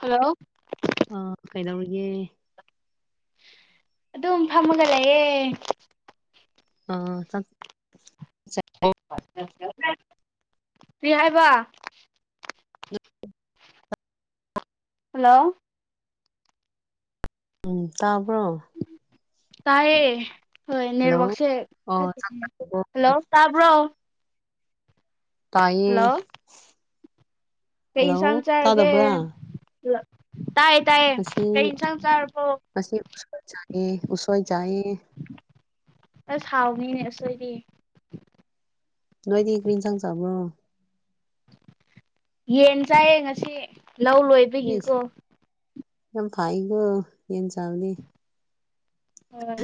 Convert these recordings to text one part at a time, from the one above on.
ꯍꯜꯂꯑꯣ ꯑ ꯀꯩꯗꯧꯔꯤꯒꯦ ꯑꯗꯨꯝ ꯐꯝꯃꯒ ꯂꯩꯌꯦ ꯑ ꯆꯥꯛ [unintelligible] ꯀꯔꯤ ꯍꯥꯏꯕ ꯍꯜꯂꯣ ꯎꯝ ꯇꯥꯕ꯭ꯔꯣ ꯇꯥꯏꯑꯦ ꯍꯣꯏ ꯍꯜꯂꯣ ꯅꯦꯠꯋꯛꯁꯦ ꯑꯣ ꯆꯥꯛ [unintelligible] ꯆꯥꯔꯕꯣ ꯍꯜꯂꯣ ꯇꯥꯕ꯭ꯔꯣ ꯇꯥꯏꯌꯦ ꯍꯜꯂꯣ ꯀꯩ ꯍꯜꯂꯣ ꯏꯟꯁꯥꯡ ꯆꯥꯔꯒꯦ ꯇꯥꯗꯕ꯭ꯔꯥ ꯇꯥꯏꯌꯦ ꯇꯥꯏꯌꯦ ꯉꯁꯤ ꯀꯩ ꯏꯟꯁꯥꯡ ꯆꯥꯔꯕꯣ ꯉꯁꯤ ꯎꯁꯣꯏ ꯆꯥꯏꯑ ꯎꯁꯣꯏ ꯆꯥꯏꯌꯦ ꯑꯁ ꯍꯥꯎꯅꯤꯅꯦ ꯑꯁꯣꯏꯗꯤ ꯅꯣꯏꯗꯤ ꯀ꯭ꯔꯤ ꯏꯟꯁꯥꯡ ꯆꯥꯕ꯭ꯔꯣ ꯌꯦꯟ ꯆꯥꯏꯌꯦ ꯉꯁꯤ ꯂꯧ ꯂꯣꯏꯕ ꯅꯝ ꯐꯥꯏꯒꯣ ꯌꯦꯟ ꯆꯥꯕꯗꯤ ꯍꯣꯏ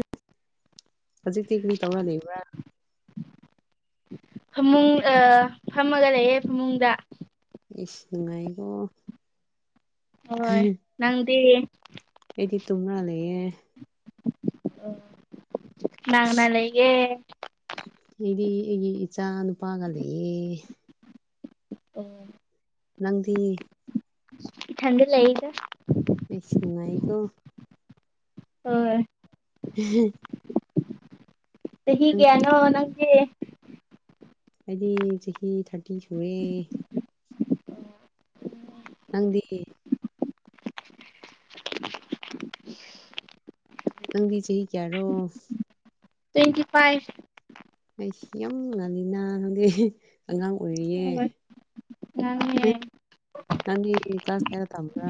ꯍꯧꯖꯤꯛꯇꯤ ꯀ꯭ꯔꯤ ꯇꯧꯔ ꯂꯩꯕ꯭ꯔꯥ ꯐꯃꯨꯡ ꯑ ꯐꯝꯃꯒ ꯂꯩꯌꯦ ꯐꯃꯨꯡꯗ ꯏꯁ ꯅꯨꯉꯥꯏꯒꯣ ꯅꯨꯉꯥꯏ ꯅꯪꯗꯤ ꯑꯩꯗꯤ ꯇꯨꯝ ꯂꯩꯌꯦ ꯀꯅꯥ ꯀꯅꯥ ꯂꯩꯒꯦ ꯃꯤꯗꯤ ꯑꯩꯒꯤ ꯏꯆꯥ ꯅꯨꯄꯥꯒ ꯂꯩꯌꯦ ꯎꯝ ꯅꯪꯗꯤ ꯏꯊꯟꯗ ꯂꯩꯒ ꯏꯁ ꯅꯨꯉꯥꯏꯀꯣ ꯍꯣ ꯍꯣꯏ [unintelligible] ꯆꯍꯤ ꯅꯪ ꯀꯌꯥꯅꯣ ꯅꯪꯁꯦ ꯑꯩꯗꯤ ꯆꯍꯤ ꯊꯥꯔꯇꯤ ꯁꯨꯔꯦ ꯅꯪꯗꯤ ꯅꯪꯗꯤ ꯆꯍꯤ ꯀꯌꯥꯔꯣ ꯇ꯭ꯋꯦꯟꯇꯤ ꯐꯥꯏꯚ ꯑꯩꯁ ꯌꯥꯝ ꯉꯟꯅ ꯅꯪꯗꯤ ꯑꯉꯥꯡ ꯑꯣꯏꯔꯤꯌꯦ [unintelligible] ꯅꯦ ꯅꯪꯒꯤ ꯀ꯭ꯂꯥꯁ ꯀꯦꯔ ꯇꯝꯕ꯭ꯔꯥ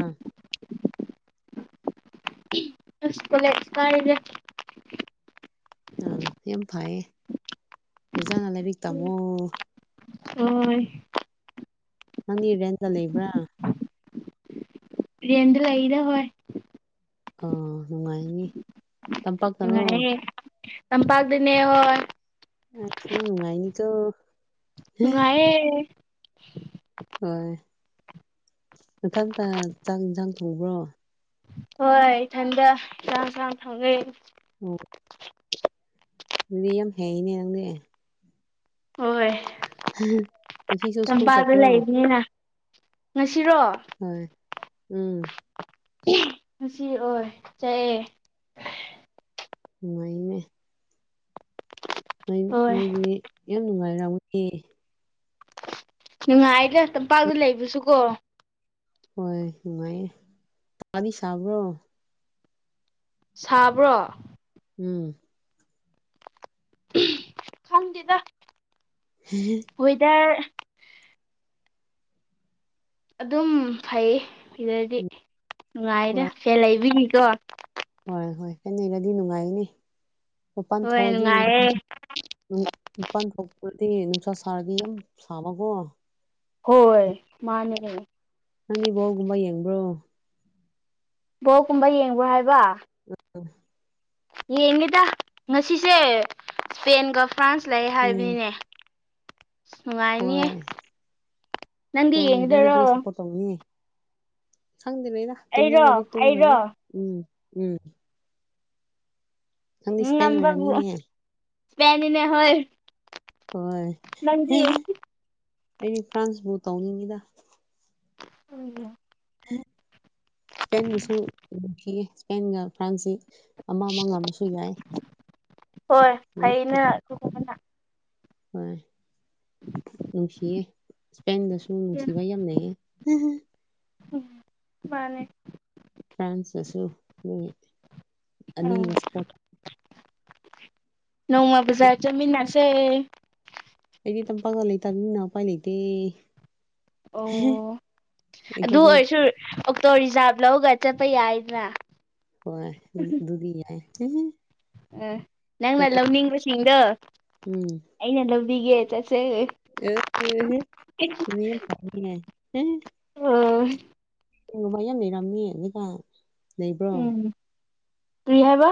ꯏꯁ ꯀꯣꯂꯦꯁ ꯀꯥꯔꯤꯅꯦ ꯑꯥ ꯌꯥꯝ ꯐꯩꯌꯦ ꯑꯣꯖꯥꯅ ꯂꯥꯏꯔꯤꯛ ꯇꯥꯝꯃꯣ ꯑꯣꯏ ꯅꯪꯗꯤ ꯔꯦꯟꯗ ꯂꯩꯕ꯭ꯔꯥ ꯔꯦꯟꯗ ꯂꯩꯗ ꯍꯣꯏ ꯑꯥ ꯅꯨꯡꯉꯥꯏꯅꯤ ꯇꯝꯄꯥꯛꯇꯔꯣ ꯎꯉꯑꯦ ꯇꯝꯄꯥꯛꯗꯅꯦ ꯍꯣ ꯑ ꯁꯤꯖ ꯅꯨꯡꯉꯥꯏꯅꯤꯀꯣ ꯅꯨꯉꯥꯏꯌꯦ ꯍꯣꯏ ꯃꯊꯥꯡ ꯇ ꯆꯥꯛ ꯌꯦꯟꯁꯥꯡ ꯊꯣꯕ꯭ꯔꯣ ꯍꯣꯏ ꯏꯊꯟꯗ ꯆꯥꯛ ꯆ ꯊꯛꯅꯩ ꯑꯣ ꯃꯤ ꯌꯥꯝ ꯍꯩꯅꯦ ꯑꯗꯨꯗꯤ ꯍꯣꯏ [unintelligible] ꯁ꯭ꯀꯨꯜ ꯇꯝꯄꯥꯛꯇ ꯆꯠꯄ꯭ꯔꯣ ꯂꯩꯕꯅꯤꯅ ꯉꯁꯤꯔꯣ ꯍꯣꯏ ꯎꯝ ꯉꯁꯤ ꯑꯣꯏ ꯆꯥꯛꯑꯦ ꯃꯩꯃꯦ ꯅꯣꯏ ꯍꯣꯏ ꯅꯣꯏꯗꯤ ꯌꯥꯝ ꯅꯨꯡꯉꯥꯏꯔꯝꯏ ꯅꯨꯡꯉꯥꯏꯗ꯭ꯔ ꯇꯝꯄꯥꯛꯇ ꯂꯩꯕꯁꯨꯀꯣ ꯍꯣꯏ ꯅꯨꯡꯉꯥꯏꯌꯦ ꯊꯗꯤ ꯁꯥꯕ꯭ꯔꯣ ꯁꯥꯕ꯭ꯔꯣ ꯎꯝ ꯈꯪꯗꯦꯗ [unintelligible] ꯋꯦꯗꯔ ꯑꯗꯨꯝ ꯐꯩꯌꯦ ꯁꯤꯗꯗꯤ ꯍꯣꯏ ꯅꯨꯡꯉꯥꯏꯗ ꯐꯦ ꯂꯩꯕꯤꯒꯤꯀꯣ ꯍꯣꯏ ꯍꯣꯏ ꯐꯦꯟ ꯂꯩꯔꯗꯤ ꯅꯨꯡꯉꯥꯏꯅꯤ ꯃꯄꯥꯟ ꯍꯣꯏ ꯊꯣꯛꯑꯗꯤ ꯅꯨꯡꯉꯥꯏꯌꯦ ꯅꯪ ꯅꯤꯄꯥꯟ ꯊꯣꯛꯄꯗꯤ ꯅꯨꯡꯁꯥ ꯁꯥꯔꯗꯤ ꯌꯥꯝ ꯁꯥꯕꯀꯣ ꯍꯣꯏ ꯃꯥꯅꯦ ꯀꯩꯅꯣ ꯅꯪꯗꯤ ꯕꯣꯜꯒꯨꯝꯕ ꯌꯦꯡꯕ꯭ꯔꯣ ꯕꯣꯛꯀꯨꯝꯕ ꯌꯦꯡꯕ꯭ꯔꯣ ꯍꯥꯏꯕ [unintelligible] ꯌꯦꯡꯉꯤꯗ ꯉꯁꯤꯁꯦ ꯏꯁꯄꯦꯟꯒ ꯐ꯭ꯔꯥꯟꯁ ꯂꯩ ꯎꯝ ꯍꯥꯏꯕꯅꯤꯅꯦ ꯅꯨꯡꯉꯥꯏꯅꯤꯌꯦ ꯍꯣꯏ ꯅꯪꯗꯤ ꯍꯣꯏ ꯅꯪꯗꯤ ꯌꯦꯡꯒꯗꯔꯣ ꯀꯔꯤ ꯁꯞꯄꯣꯔꯠ__ ꯇꯧꯅꯤꯡꯉꯦ ꯈꯪꯗꯔꯤꯗ ꯑꯩꯔꯣ ꯇꯨꯝꯅꯤꯡꯉꯗꯤ ꯇꯨꯝꯒꯅꯤ ꯑꯩꯔꯣ ꯎꯝ ꯎꯝ ꯅꯪꯗꯤ ꯏꯁꯄꯦꯟ ꯉꯟꯕꯕꯨ ꯑꯣꯏꯔꯝꯅꯤꯅꯦ ꯁꯄꯦꯟꯅꯤꯅꯦ ꯍꯣꯏ ꯍꯣꯏ ꯅꯪꯗꯤ ꯑꯩꯗꯤ ꯐ꯭ꯔꯥꯟꯁꯕꯨꯨ ꯇꯧꯅꯤꯡꯉꯤꯗ [unintelligible] ꯏꯁꯄꯦꯟꯕꯨꯁꯨ ꯅꯨꯡꯁꯤꯌꯦ ꯏꯁꯄꯦꯟꯒ ꯐ꯭ꯔꯥꯟꯁꯁꯤ ꯑꯃ ꯑꯃ ꯉꯝꯃꯁꯨ ꯌꯥꯏ ꯍꯣꯏ ꯂꯣꯏ ꯐꯩꯅ ꯑꯗꯨꯒꯨꯝꯕꯅ ꯍꯣꯏ ꯅꯨꯡꯁꯤꯌꯦ ꯏꯁꯄꯦꯟꯗꯁꯨ ꯅꯨꯡꯁꯤꯕ ꯌꯥꯝꯅꯩꯌꯦ ꯎꯝ ꯃꯥꯅꯦ ꯐ꯭ꯔꯥꯟꯁꯁꯨ ꯏꯪꯉꯦ ꯎꯝ ꯅꯣꯡꯃꯥ ꯕꯖꯥꯔ ꯆꯠꯃꯤꯟꯅꯁꯦ ꯑꯩꯗꯤ ꯇꯝꯄꯥꯛꯇ ꯂꯩ ꯇꯅꯤꯅ ꯎꯄꯥꯏ ꯂꯩꯇꯦ ꯑꯣ ꯑꯗꯨ ꯑꯩꯈꯣꯏꯗꯤ ꯑꯣꯏꯔꯁꯨ ꯑꯣꯛꯇꯣ ꯔꯤꯖꯥꯕ ꯂꯧꯔꯒ ꯆꯠꯄ ꯌꯥꯏꯗꯅ ꯍꯣꯏ ꯑꯗꯨꯗꯤ ꯌꯥꯏ ꯑꯥ ꯅꯪꯅ ꯂꯧꯅꯤꯡꯕꯁꯤꯡꯗꯣ ꯎꯝ ꯑꯩꯅ ꯂꯧꯕꯤꯒꯦ ꯆꯠꯁꯦ ꯑꯦ ꯑꯦꯍꯦ ꯑꯗꯨꯗꯤ ꯌꯥꯝ ꯄꯪꯉꯤꯅꯦ ꯑꯣꯏ ꯎ ꯃꯌꯥꯝ ꯂꯩꯔꯝꯅꯤ ꯖꯤꯛꯀꯥꯟ ꯂꯩꯕ꯭ꯔꯣ ꯇ꯭ꯔꯤ ꯍꯥꯏꯕ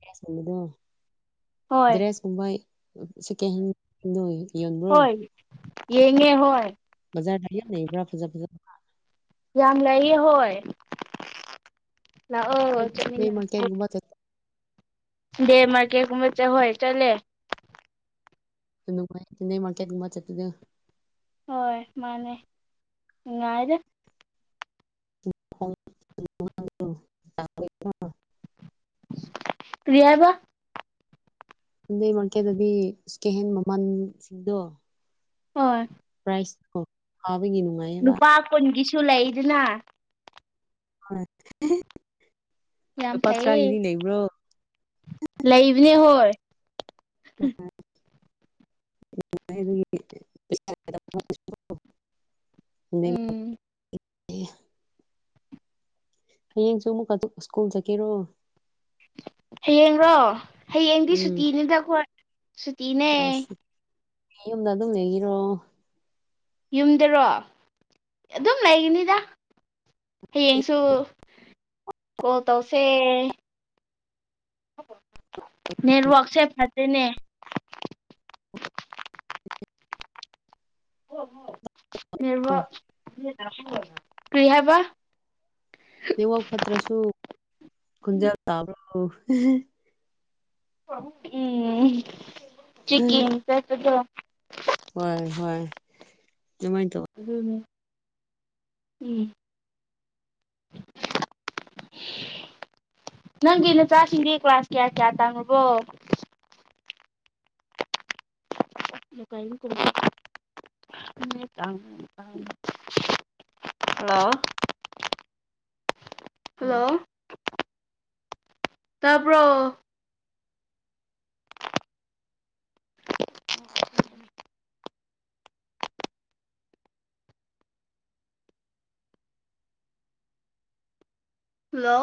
ꯗ꯭ꯔꯦꯁ ꯒꯨꯝꯕꯗꯣ ꯍꯣꯏ ꯗ꯭ꯔꯦꯁ ꯀꯨꯝꯕ ꯁꯦꯀꯦꯟ ꯍꯦꯟ ꯅꯣꯏ ꯌꯣꯟꯕ꯭ꯔꯣ ꯍꯣꯏ ꯌꯦꯡꯉꯦ ꯍꯣꯏ ꯕꯖꯥꯔꯗ ꯌꯝ ꯂꯩꯕ꯭ꯔꯥ ꯐꯖꯥ ꯐꯖꯕ ꯌꯥꯝ ꯂꯩꯌꯦ ꯍꯣꯏ ꯂꯥꯛꯑꯣ ꯁꯟꯗꯦ ꯆꯠꯃꯤꯟꯅꯔꯁꯦ ꯃꯥꯔꯀꯦꯠꯒꯨꯝꯕ ꯆꯠꯄ ꯗꯦ ꯃꯥꯔꯀꯦꯀꯨꯝꯕ ꯆꯥ ꯍꯣꯏ ꯆꯠꯂꯦ ꯑꯗꯨ [unintelligible] ꯃꯥꯔꯀꯦꯠꯀꯨꯝꯕ ꯆꯠꯄꯗꯣ ꯍꯣꯏ ꯃꯥꯅꯦ ꯅꯨꯡꯉꯥꯏꯗ [unintelligible] ꯀ꯭ꯔꯤ ꯍꯥꯏꯕ ꯗꯦ ꯃꯥꯔꯀꯦꯠꯗꯗꯤ ꯏꯁ ꯀꯩ ꯍꯥꯏꯅꯤ ꯃꯃꯜꯁꯤꯡꯗꯣ ꯍꯣꯏ ꯄ꯭ꯔꯥꯏꯁ ꯐꯕꯒꯤ ꯅꯨꯡꯉꯥꯏ ꯅꯨꯄꯥ ꯀꯨꯟꯒꯤꯁꯨ ꯂꯩꯗꯅ ꯍꯣꯏ ꯌꯥꯝ ꯂꯨꯄꯥ ꯐꯩꯌꯦ ꯇꯔꯥꯒꯤꯗꯤ ꯂꯩꯕ꯭ꯔꯣ ꯂꯩꯕꯅꯦ ꯍꯣꯏ [unintelligible] [unintelligible] ꯎꯝ ꯍꯌꯦꯡꯁꯨ ꯑꯃꯨꯛꯀꯥꯖꯨ ꯁ꯭ꯀꯨꯜ ꯆꯠꯀꯦꯔꯣ ꯍꯌꯦꯡꯔꯣ ꯍꯌꯦꯡꯗꯤ ꯎꯝ ꯁꯨꯇꯤꯅꯤꯗ ꯑꯈꯣꯏ ꯑꯁ ꯅꯌꯨꯝꯗ ꯑꯗꯨꯝ ꯂꯩꯒꯤꯔꯣ ꯌꯨꯝꯗꯔꯣ ꯑꯗꯨꯝ ꯂꯩꯒꯅꯤꯗ ꯍꯌꯦꯡꯁꯨ ꯀꯣꯜ ꯇꯧꯁꯦ ꯅꯦꯠꯋꯥꯛꯁꯦ ꯐꯠꯇꯦꯅꯦ ꯅꯦꯠꯋꯥꯛ [unintelligible] ꯀ꯭ꯔꯤ ꯍꯥꯏꯕ ꯅꯦꯠꯋꯥꯛ ꯐꯠꯇ꯭ꯔꯥꯁꯨ ꯈꯣꯟꯖꯦꯜ ꯇꯥꯕ꯭ꯔꯣ ꯎꯝ ꯆꯤꯀꯤꯝ ꯆꯠꯄꯗꯣ ꯍꯣꯏ ꯍꯣꯏ ꯑꯗꯨꯃꯥꯏꯟ ꯇꯧꯕ ꯑꯗꯨꯅꯦ ꯎꯝ ꯅꯪꯒꯤ ꯅꯆꯥꯁꯤꯡꯗꯤ ꯀ꯭ꯂꯥꯁ ꯀꯌꯥ ꯀꯌꯥ ꯇꯥꯝꯔꯕꯣ [unintelligible] ꯍꯜꯂꯣ ꯍꯜꯂꯣ ꯇꯕ꯭ꯔꯣ ꯍꯜꯂꯣ